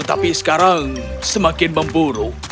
tapi sekarang semakin memburuk